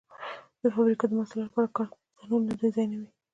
د فابریکو د محصولاتو لپاره کارتنونه ډیزاینوي.